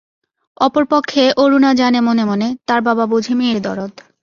অপর পক্ষে অরুণা জানে মনে মনে, তার বাবা বোঝে মেয়ের দরদ।